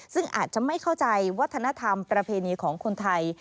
ซึ่งอาจจะไม่เข้าใจวัฒนธรรมประเพณีของคนไทย